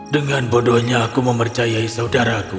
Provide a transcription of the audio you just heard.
dengan bodohnya aku mempercayai saudaraku